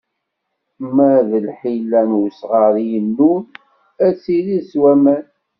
Ma d lḥila n usɣar i yennul, ad tirid s waman.